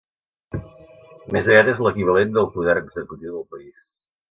Més aviat és l'equivalent del poder executiu del país.